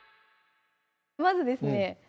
まずですね